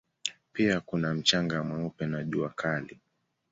Pia kuna mchanga mweupe na jua kali.